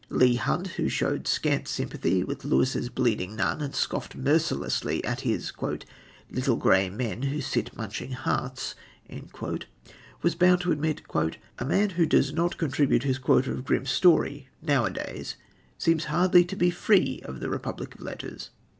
Leigh Hunt, who showed scant sympathy with Lewis's bleeding nun and scoffed mercilessly at his "little grey men who sit munching hearts," was bound to admit: "A man who does not contribute his quota of grim story, now a days, seems hardly to be free of the republic of letters."